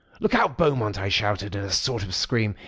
"'Look out, Beaumont!' I shouted in a sort of scream.